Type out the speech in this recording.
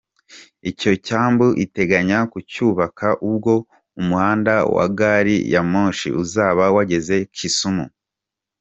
Icyo cyambu iteganya kucyubaka ubwo umuhanda wa Gari ya moshi uzaba wageze Kisumu.